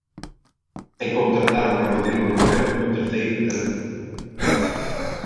E contrataron a Rodrigo Roel como terceiro intérprete.